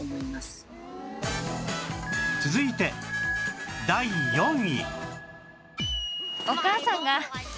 続いて第４位